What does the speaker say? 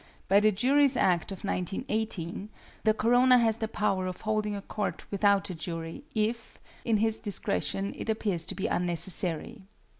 By the Juries Act of 1918, the coroner has the power of holding a court without a jury if, in his discretion, it appears to be unnecessary.